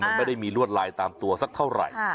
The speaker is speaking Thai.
มันไม่ได้มีลวดลายตามตัวสักเท่าไหร่